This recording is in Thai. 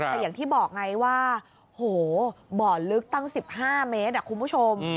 แต่อย่างที่บอกไงว่าโหบ่อลึกตั้ง๑๕เมตรคุณผู้ชม